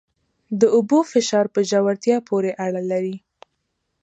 د اوبو فشار په ژورتیا پورې اړه لري.